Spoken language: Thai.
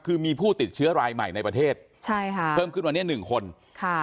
คือมีผู้ติดเชื้อรายใหม่ในประเทศใช่ค่ะเพิ่มขึ้นวันนี้หนึ่งคนค่ะ